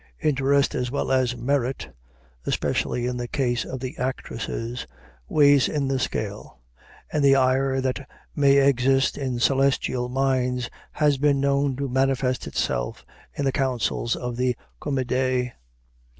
Interest as well as merit especially in the case of the actresses weighs in the scale; and the ire that may exist in celestial minds has been known to manifest itself in the councils of the Comédie.